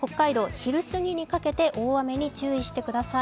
昼すぎにかけて大雨に注意してください。